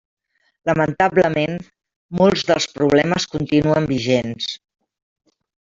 Lamentablement, molts dels problemes continuen vigents.